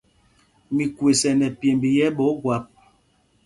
Mikwes ɛ nɛ pyěmb yɛ̄ ɓɛ̌ ógwâp.